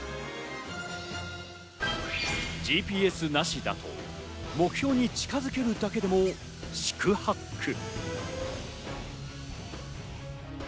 ＧＰＳなしだと目標に近づけるだけでも四苦八苦。